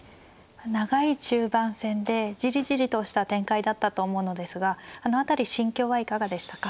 長い中盤戦でジリジリとした展開だったと思うのですがあの辺り心境はいかがでしたか。